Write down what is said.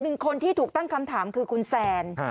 คนที่ถูกตั้งคำถามคือคุณแซน